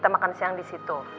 oke di situ